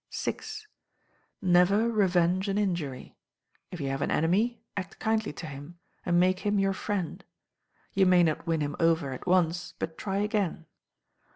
vi. Never revenge an injury. If you have an enemy, act kindly to him, and make him your friend. You may not win him over at once, but try again.